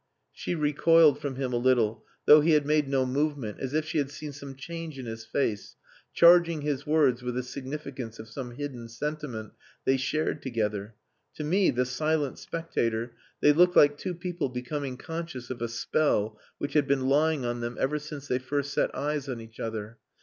She recoiled from him a little, though he had made no movement, as if she had seen some change in his face, charging his words with the significance of some hidden sentiment they shared together. To me, the silent spectator, they looked like two people becoming conscious of a spell which had been lying on them ever since they first set eyes on each other.